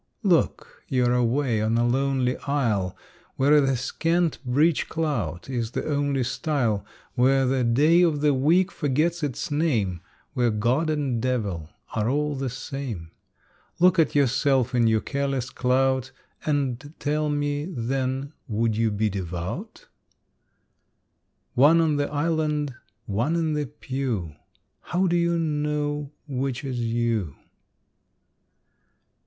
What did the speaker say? Look! You're away on a lonely isle, Where the scant breech clout is the only style, Where the day of the week forgets its name, Where god and devil are all the same. Look at yourself in your careless clout, And tell me, then, would you be devout? One on the island, one in the pew How do you know which is you?